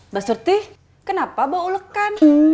mbak surti kenapa bau ulekan